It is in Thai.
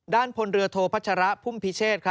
พลเรือโทพัชระพุ่มพิเชษ